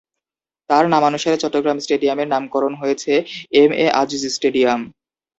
তাঁর নামানুসারে চট্টগ্রাম স্টেডিয়ামের নামকরণ হয়েছে এম.এ আজিজ স্টেডিয়াম।